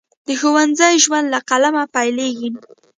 د ښوونځي ژوند له قلمه پیلیږي.